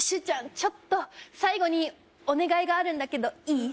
ちょっと最後にお願いがあるんだけどいい？